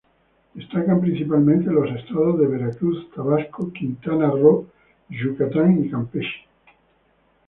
Destacan principalmente los estados de Veracruz, Tabasco, Quintana Roo, Yucatán y Campeche.